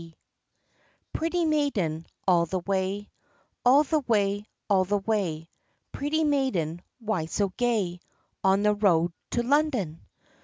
] PRETTY maiden, all the way, All the way, all the way, Pretty maiden, why so gay, On the road, to London?